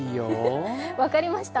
分かりました？